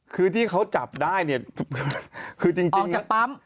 คือที่เขาจับได้เนี่ยคือจริงจากปั๊ม